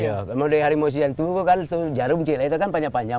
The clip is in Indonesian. iya kalau dari hari musim itu jarum cilai itu kan panjang panjang